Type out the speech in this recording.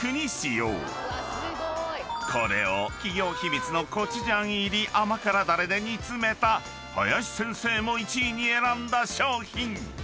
［これを企業秘密のコチュジャン入り甘辛ダレで煮詰めた林先生も１位に選んだ商品］